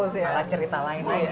jadi malah cerita lain lagi